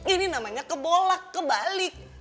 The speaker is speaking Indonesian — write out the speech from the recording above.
ini namanya kebolak kebalik